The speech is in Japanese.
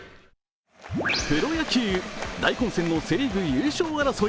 プロ野球、大混戦のセ・リーグ優勝争い。